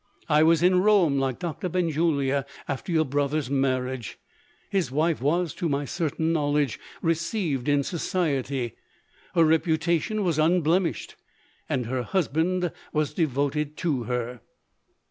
I was in Rome, like Doctor Benjulia, after your brother's marriage. His wife was, to my certain knowledge, received in society. Her reputation was unblemished; and her husband was devoted to her."